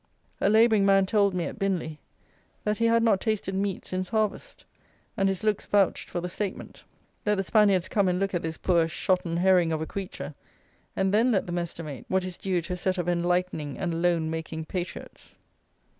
A labouring man told me, at Binley, that he had not tasted meat since harvest; and his looks vouched for the statement. Let the Spaniards come and look at this poor, shotten herring of a creature; and then let them estimate what is due to a set of "enlightening" and loan making "patriots."